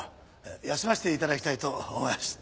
休ませていただきたいと思います。